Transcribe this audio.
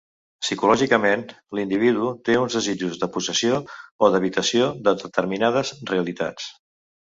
Psicològicament, l'individu té uns desitjos de possessió o d'evitació de determinades realitats.